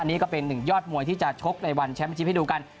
อันนี้ก็เป็น๑ยอดมวยที่จะชกในวันแชมป์ประชิปให้ดูกัน